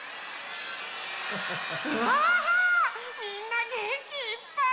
うわみんなげんきいっぱい！